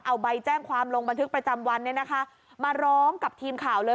เอาใบแจ้งความลงบันทึกประจำวันเนี่ยนะคะมาร้องกับทีมข่าวเลย